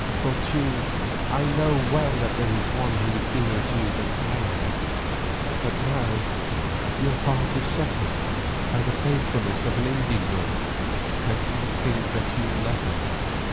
For, Teule, I know well that there is one who is dearer to you than I am, but now your heart is softened by the faithfulness of an Indian girl, and you think that you love her.